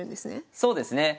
そうですね。